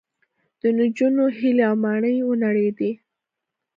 د نجونو هیلې او ماڼۍ ونړېدې